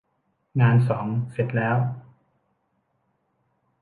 งานสองเสร็จแล้ว